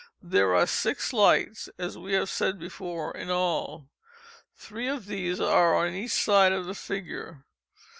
There are six lights (as we have said before) in all. Three of these are on each side of the figure.